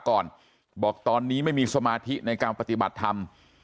ก่อนบอกตอนนี้ไม่มีสมาธิในการปฏิบัติธรรม